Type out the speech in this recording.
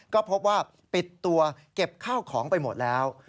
ก็พบว่าปิดตัวเก็บข้าวของไปหมดแล้ว